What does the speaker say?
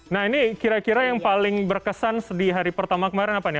nah ini kira kira yang paling berkesan di hari pertama kemarin apa nih